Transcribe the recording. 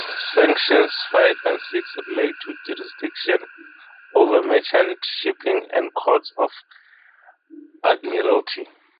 Sections five and six relate to jurisdiction over merchant shipping and Courts of Admiralty.